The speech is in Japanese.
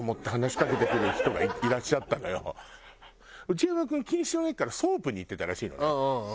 内山君錦糸町の駅からソープに行ってたらしいのね。